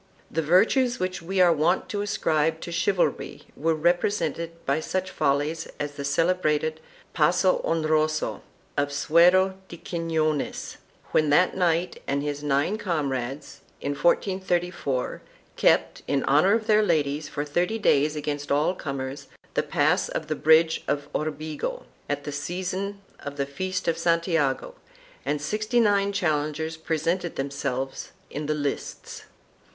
The virtues which we are wont to ascribe to chivalry were represented by such follies as the celebrated Passo Honroso of Suero de Quinones, when that knight and his nine comrades, in 1434, kept, in honor of their ladies, for thirty days against all comers, the pass of the Bridge of Orbigo, at the season of the feast of Santiago and sixty nine challengers presented them selves in the lists.